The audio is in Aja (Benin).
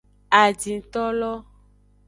Adintolo.